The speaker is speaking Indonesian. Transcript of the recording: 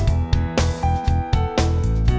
oke sampai jumpa